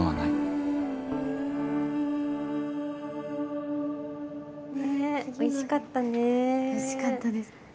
おいしかったです。